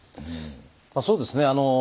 まあそうですね。